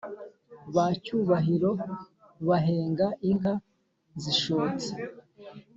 ba cyubahiro bahenga inka zishotse